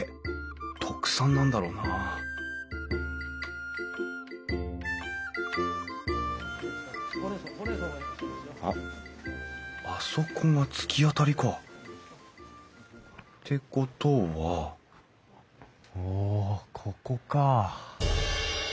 特産なんだろうなあっあそこが突き当たりか。ってことはおここか。